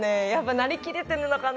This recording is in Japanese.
なりきれているのかな？